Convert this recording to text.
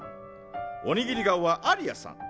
おにぎり顔はアリアさん。